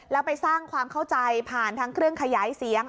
แล้วไปสร้างความเข้าใจผ่านทั้งเครื่องขยายเสียง